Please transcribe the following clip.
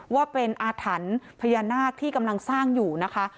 ว่าเป็นอาถรรพ์พญานาคที่กำลังสร้างอยู่นะคะ